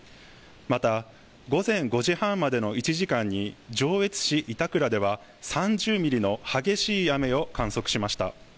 また、午前５時半までの１時間に上越市板倉では３０ミリの激しい雨を観測しました。